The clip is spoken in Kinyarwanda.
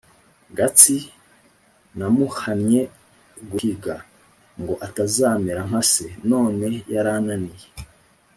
Gatsi namuhannye guhiga, ngo atazamera nka se, none yarananiye